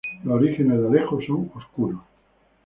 Los orígenes de Alejo son oscuros.